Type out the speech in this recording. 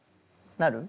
なる？